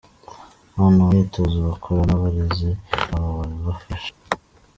Abana mu myitozo bakora n'abarezi babo barabafasha.